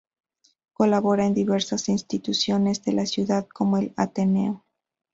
Colabora en diversas instituciones de la ciudad como el Ateneo.